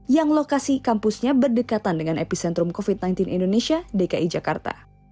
yang lokasi kampusnya berdekatan dengan epicentrum covid sembilan belas indonesia dki jakarta